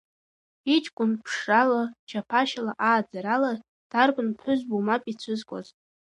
Иҷкәын ԥшрала, чаԥашьала, ааӡарала дарбан ԥҳәызбоу мап ицәызкуаз.